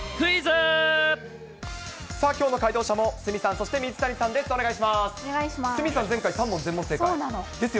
きょうの解答者の鷲見さん、そして水谷さんです。